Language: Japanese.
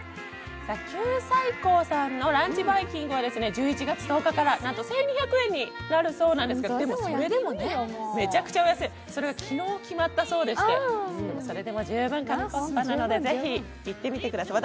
九寨溝さんのランチバイキングは１１月１０日から、なんと１２００円になるそうなんですが、それは昨日決まったそうでして、それでも十分ですのでぜひ行ってみてください。